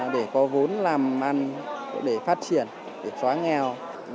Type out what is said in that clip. để có vốn làm ăn để phát triển để xóa nghèo